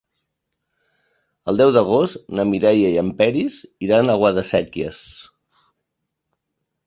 El deu d'agost na Mireia i en Peris iran a Guadasséquies.